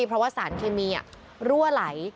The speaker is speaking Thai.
เพราะว่าสารเคมีรั่วไหล